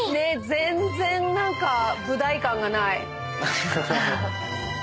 全然何かブダイ感がない。